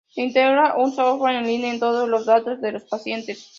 Se integrara un software en línea con todos los datos de los pacientes.